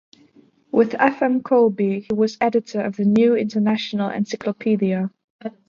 With F. M. Colby, he was editor of the New International Encyclopedia.